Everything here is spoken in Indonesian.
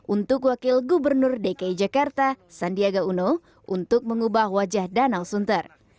untuk wakil gubernur dki jakarta sandiaga uno untuk mengubah wajah danau sunter